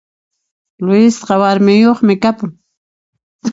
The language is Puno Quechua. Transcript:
Luisqa warmiyoqmi kapun